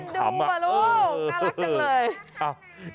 ดูกว่าลูกน่ารักจังเลย